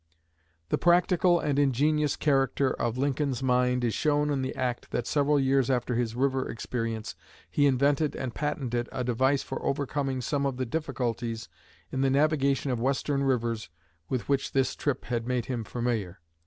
The practical and ingenious character of Lincoln's mind is shown in the act that several years after his river experience he invented and patented a device for overcoming some of the difficulties in the navigation of western rivers with which this trip had made him familiar.